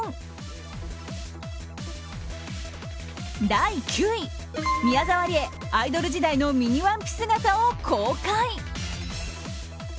第９位、宮沢りえアイドル時代のミニワンピ姿を公開。